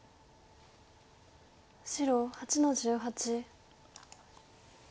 白８の十八。